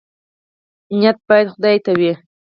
نیت باید خدای ته وي